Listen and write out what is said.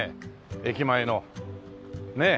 駅前のねえ。